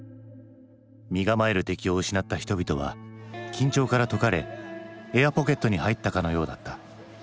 身構える敵を失った人々は緊張から解かれエアポケットに入ったかのようだった。